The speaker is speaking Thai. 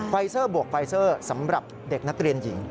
เซอร์บวกไฟเซอร์สำหรับเด็กนักเรียนหญิง